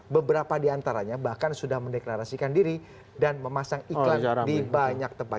beberapa di antaranya bahkan sudah mendeklarasikan diri dan memasang iklan di banyak tempat